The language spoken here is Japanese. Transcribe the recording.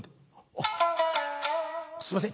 「あっすいません